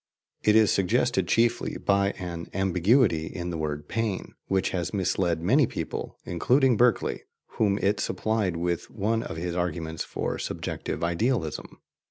* It is suggested chiefly by an ambiguity in the word "pain," which has misled many people, including Berkeley, whom it supplied with one of his arguments for subjective idealism.